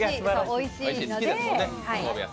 おいしいので。